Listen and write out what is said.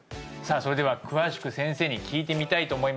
それでは詳しく先生に聞いてみたいと思います